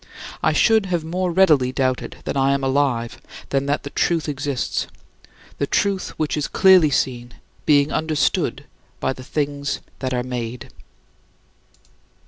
I should have more readily doubted that I am alive than that the Truth exists the Truth which is "clearly seen, being understood by the things that are made."